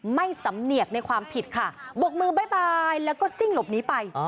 ไม่สำเนียดในความผิดค่ะบกมือบ๊ายบายแล้วก็ซิ่งหลบหนีไป